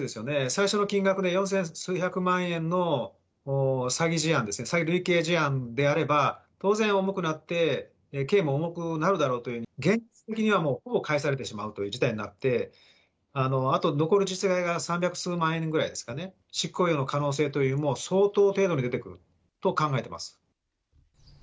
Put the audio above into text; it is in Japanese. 最初の金額の四千数百万円の詐欺事案ですね、詐欺類型事案であれば、当然重くなって、刑も重くなるだろうと、現実的にはほぼ返されてしまうという事態になって、あと残る実害が三百数十万円ぐらいですかね、執行猶予の可能性という、相当程度に出てくると考えてます。